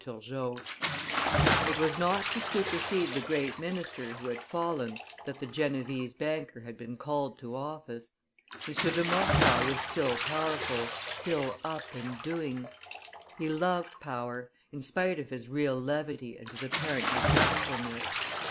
Turgot. It was not to supersede the great minister who had fallen that the Genevese banker had been called to office. M. de Maurepas was still powerful, still up and doing; he loved power, in spite of his real levity and his apparent neglectfulness.